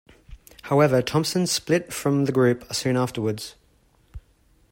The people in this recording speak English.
However Thompson split from the group soon afterwards.